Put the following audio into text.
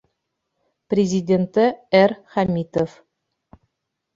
Президенты Р. ХӘМИТОВ.